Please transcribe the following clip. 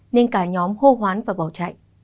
nên cả nhóm hô hoán và bỏ chạy